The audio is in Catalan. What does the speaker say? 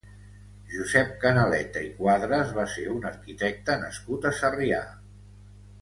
Josep Canaleta i Cuadras va ser un arquitecte nascut a Sarrià.